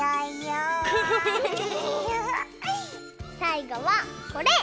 さいごはこれ！